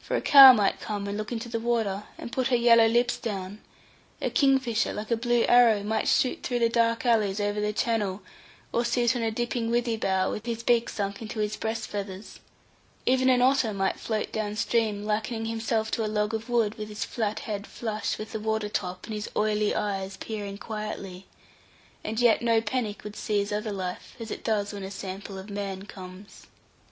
For a cow might come and look into the water, and put her yellow lips down; a kingfisher, like a blue arrow, might shoot through the dark alleys over the channel, or sit on a dipping withy bough with his beak sunk into his breast feathers; even an otter might float downstream likening himself to a log of wood, with his flat head flush with the water top, and his oily eyes peering quietly; and yet no panic would seize other life, as it does when a sample of man comes.